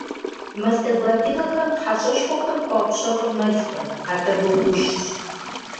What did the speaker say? Мэздэгу адыгэхэм хьэщӏэшхуэм хуапщэфӏыр мэлкъым, атӏэ гуэгушщ.